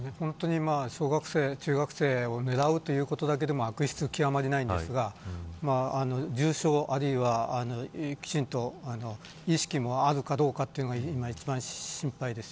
小学生、中学生を狙うというだけで悪質極まりないですが重傷、あるいはきちんと意識もあるかどうかというのが一番心配です。